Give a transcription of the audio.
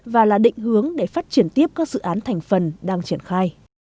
và là định hướng để phát triển tiếp các dự án thành phần đang triển khai